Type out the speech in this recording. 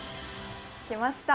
来ました。